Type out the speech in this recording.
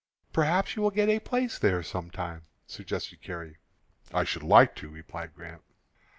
"Perhaps you will get a place there some time," suggested Carrie. "I should like to," replied Grant.